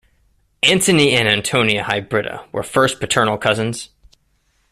Antony and Antonia Hybrida were first paternal cousins.